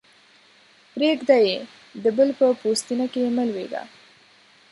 پرېږده يې؛ د بل په پوستينه کې مه لویېږه.